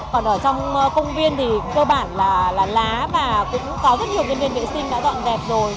còn ở trong công viên thì cơ bản là lá và cũng có rất nhiều nhân viên vệ sinh đã dọn dẹp rồi